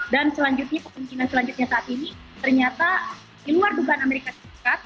dan selanjutnya kemungkinan selanjutnya saat ini ternyata di luar dugaan amerika serikat